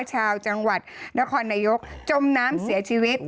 ชาวจังหวัดนครนายกจมน้ำเสียชีวิต